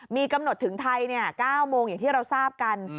มีกำหนดถึงไทย๙โมงอย่างที่เราทราบกัน